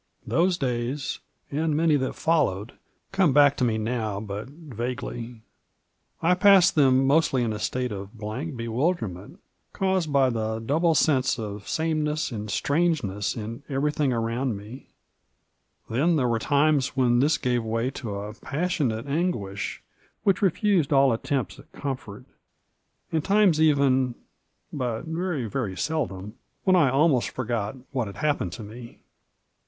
Those days, and many that followed, come back to me now but vaguely. I passed them mostly in a stat« of blank bewilderment caused by the double sense of same ness and strangeness in everything around me; then there were times when this gave way to a passionate an guish which refused all attempts at comfort, and times even — ^but very, very seldom — when I almost forgot what had happened to me.